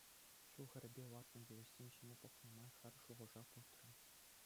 Ҫул хӗррипе лартнӑ йывӑҫсем ҫине пӑхнӑ май хӗр шухӑша путрӗ.